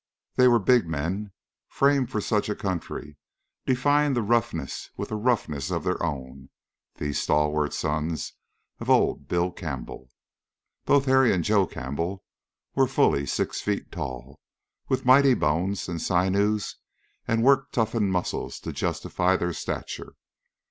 They were big men, framed for such a country, defying the roughness with a roughness of their own these stalwart sons of old Bill Campbell. Both Harry and Joe Campbell were fully six feet tall, with mighty bones and sinews and work toughened muscles to justify their stature.